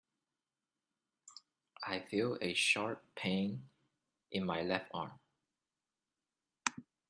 I feel a sharp pain in my left arm.